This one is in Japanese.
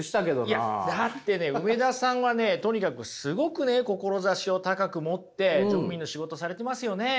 いやだってね梅田さんはねとにかくすごくね志を高く持って乗務員の仕事されてますよね。